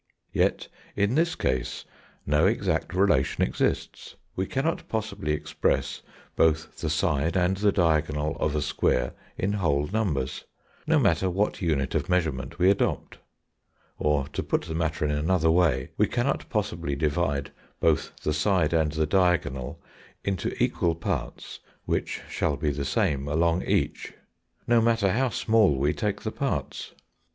Yet in this case no exact relation exists. We cannot possibly express both the side and the diagonal of a square in whole numbers, no matter what unit of measurement we adopt: or, to put the matter in another way, we cannot possibly divide both the side and the diagonal into equal parts (which shall be the same along each), no matter how small we take the parts.